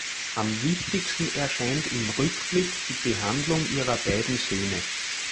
Am wichtigsten erscheint im Rückblick die Behandlung ihrer beiden Söhne.